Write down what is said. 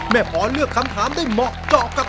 แม่บอลเลือกคำถามได้เหมาะเจอกับ